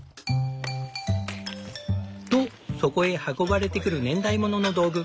とそこへ運ばれてくる年代物の道具。